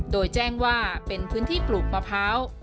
โดยแจ้งว่าเป็นพื้นที่ปลูกมะพร้าว